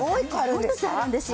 もう１つあるんですよ。